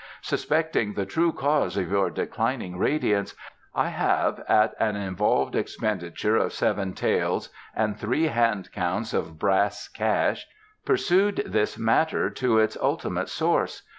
Suspecting the true cause of your declining radiance, I have, at an involved expenditure of seven taels and three hand counts of brash cash, pursued this matter to its ultimate source.